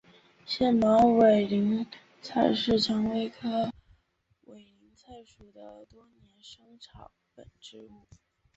腺毛委陵菜是蔷薇科委陵菜属的多年生草本植物。